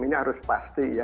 ini harus pasti ya